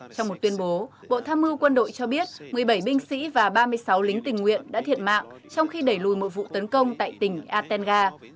trong một tuyên bố bộ tham mưu quân đội cho biết một mươi bảy binh sĩ và ba mươi sáu lính tình nguyện đã thiệt mạng trong khi đẩy lùi một vụ tấn công tại tỉnh atenga